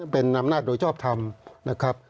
เป็นอำนาจโดยชอบทำนะครับ